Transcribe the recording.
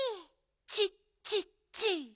チッチッチッ！